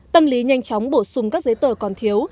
tâm lý nhanh chóng bổ sung các giấy tờ còn thiếu